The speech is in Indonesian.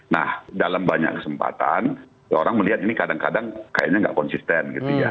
nah dalam banyak kesempatan orang melihat ini kadang kadang kayaknya nggak konsisten gitu ya